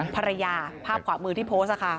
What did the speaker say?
ภรรยาภาพขวามือที่โพสต์ค่ะ